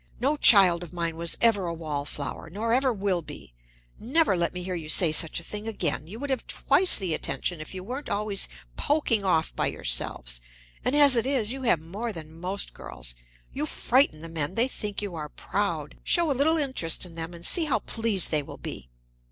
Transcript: "No child of mine was ever a wallflower, nor ever will be. Never let me hear you say such a thing again. You would have twice the attention if you weren't always poking off by yourselves; and as it is, you have more than most girls. You frighten the men they think you are proud. Show a little interest in them and see how pleased they will be!"